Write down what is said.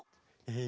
え！